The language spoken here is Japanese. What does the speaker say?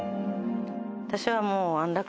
私はもう。